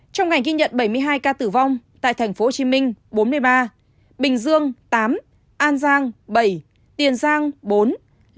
trong ngày ghi nhận bảy mươi hai ca tử vong tại thành phố hồ chí minh bốn mươi ba bình dương tám an giang bảy tiền giang bốn lòng an hai